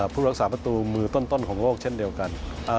ผู้รักษาประตูมือต้นของโลกเช่นเดียวกัน